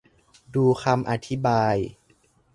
ดูคำอธิบาย